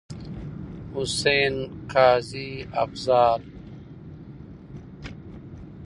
حسين، قاضي افضال.